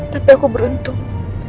tapi aku beruntung